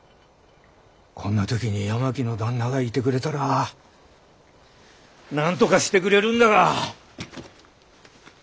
こんなときに八巻の旦那がいてくれたらなんとかしてくれるんだが！